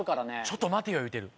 「ちょっと待てよ！」言うてる。